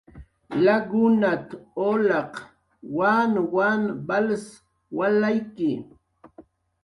"Lakunat"" ulaq wanwan wals walayki"